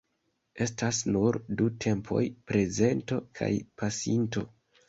Estas nur du tempoj: prezento kaj pasinto.